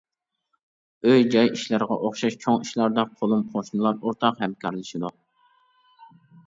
ئۆي-جاي ئىشلىرىغا ئوخشاش چوڭ ئىشلاردا قولۇم-قوشنىلار ئورتاق ھەمكارلىشىدۇ.